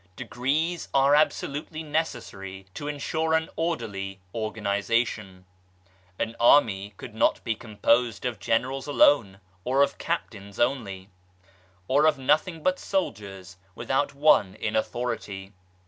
Degrees are absolutely necessary to ensure an orderly organisation. An army could not be com posed of Generals alone, or of Captains only, or of nothing but soldiers without one in authority.